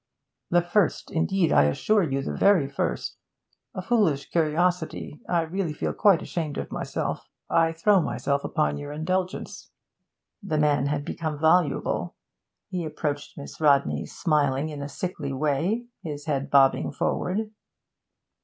'The first indeed I assure you the very first! A foolish curiosity; I really feel quite ashamed of myself; I throw myself upon your indulgence.' The man had become voluble; he approached Miss Rodney smiling in a sickly way, his head bobbing forward.